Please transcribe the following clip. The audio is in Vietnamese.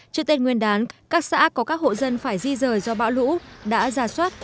trước tên nguyên đán các xã có các hộ dân phải di rời do bão lũ đã giả soát